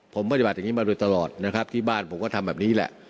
ผมปฏิบัติอย่างนี้มาโดยตลอดนะครับที่บ้านผมก็ทำแบบนี้แหละ